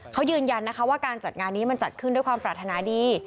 เขายืนยันนะคะว่าการจัดงานนี้มันจัดขึ้นด้วยความปรารถนาดี